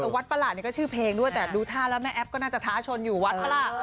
วัดประหลาด